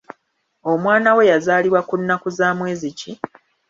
Omwana wo yazaalibwa ku nnnaku za mwezi ki?